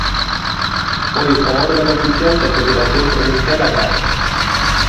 Foi o órgano oficial da Federación Provincial Agraria.